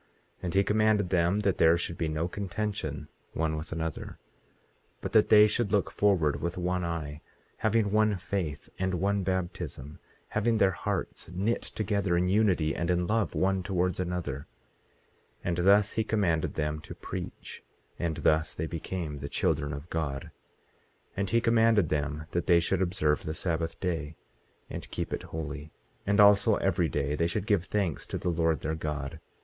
18:21 And he commanded them that there should be no contention one with another, but that they should look forward with one eye, having one faith and one baptism, having their hearts knit together in unity and in love one towards another. 18:22 And thus he commanded them to preach. And thus they became the children of God. 18:23 And he commanded them that they should observe the sabbath day, and keep it holy, and also every day they should give thanks to the Lord their God.